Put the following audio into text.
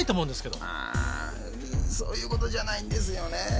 ああそういうことじゃないんですよね。